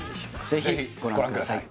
ぜひご覧ください